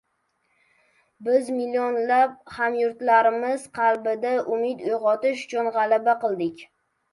Biz millionlab hamyurtlarimiz qalbida umid uyg‘otish uchun g‘alaba qildik.